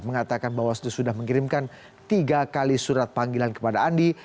mengatakan bahwa sudah mengirimkan tiga kali surat panggilan kepada andi